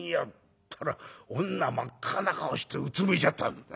ったら女真っ赤な顔してうつむいちゃった。